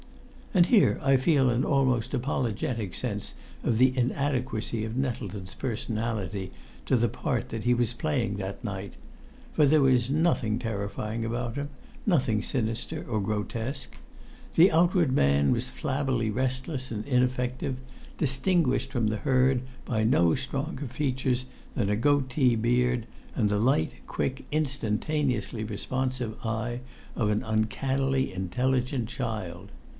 And here I feel an almost apologetic sense of the inadequacy of Nettleton's personality to the part that he was playing that night; for there was nothing terrifying about him, nothing sinister or grotesque. The outward man was flabbily restless and ineffective, distinguished from the herd by no stronger features than a goatee beard and the light, quick, instantaneously responsive eye of an uncannily intelligent child.